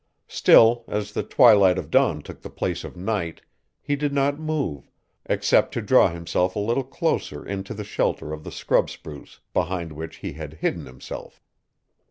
Still, as the twilight of dawn took the place of night, he did not move, except to draw himself a little closer into the shelter of the scrub spruce behind which he had hidden himself.